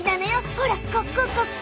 ほらここここ。